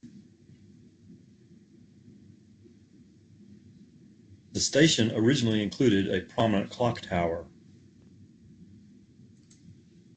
The station originally included a prominent clock tower.